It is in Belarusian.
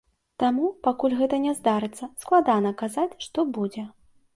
Таму, пакуль гэтага не здарыцца, складана казаць, што будзе.